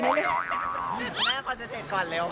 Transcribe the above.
แม่ควรจะเท็จก่อนเร็ว